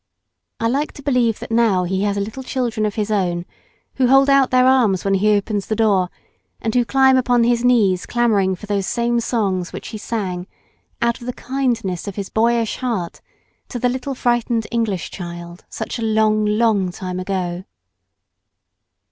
I like to believe that now he has little children of his own, who hold out their arms when he opens the door, and who climb upon his knees clamouring for those same songs which be sang, out of the kindness of his boyish heart, to the little frightened English child, such a long, long time ago.